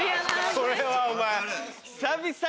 これはお前。